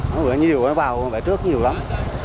nó vừa nhiều nó vào bãi trước nhiều lắm